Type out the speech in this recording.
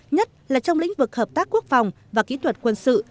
nhất là trong lĩnh vực hợp tác quốc phòng và kỹ thuật quân sự